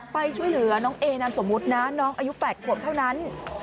ไปช่วยเหลือน้องเอนามสมมุตินะน้องอายุ๘ขวบเท่านั้น